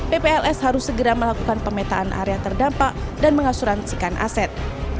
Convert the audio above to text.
ppls harus segera melakukan pemetaan area terdampak dan mengasuransikan aset